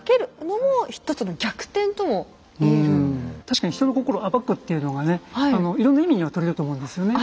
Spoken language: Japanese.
確かに人の心を暴くっていうのがねいろんな意味にはとれると思うんですよね。